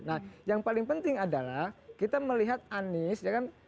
nah yang paling penting adalah kita melihat anies